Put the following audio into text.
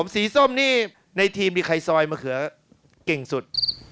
สีส้มนี่ในทีมมีใครซอยมะเขือเก่งสุด